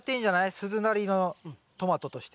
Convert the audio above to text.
鈴なりのトマトとして。